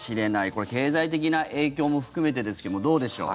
これ、経済的な影響も含めてですけど、どうでしょう。